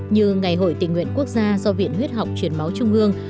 như ngày hội tình nguyện quốc gia do viện huyết học truyền máu trung ương